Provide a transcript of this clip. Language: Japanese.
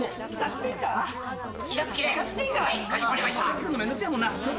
入ってくんのめんどくせえもんな。